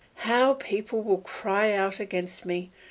How people will cry out against me!